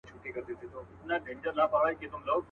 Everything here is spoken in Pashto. بل موږك په كونج كي ناست وو شخ برېتونه.